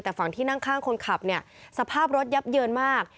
แต่ฝั่งที่นั่งข้างคนขับเนี่ยสภาพรถยับเยินมาก